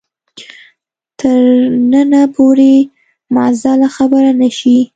تر ننه پورې معتزله خبره نه شي